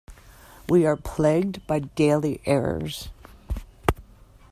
We are plagued by daily errors.